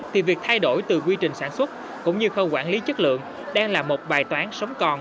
thì việc thay đổi từ quy trình sản xuất cũng như khâu quản lý chất lượng đang là một bài toán sống còn